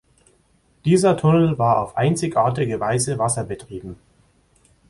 Dieser Tunnel war auf einzigartige Weise wasserbetrieben.